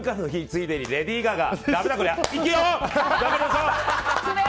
ついでにレディー・ガガ！